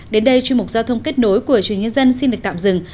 đến đây chuyên mục giao thông kết nối của truyền nhân dân xin được tạm dừng